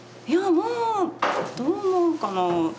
もうどう思うかな？